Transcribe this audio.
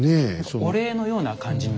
お礼のような感じにも。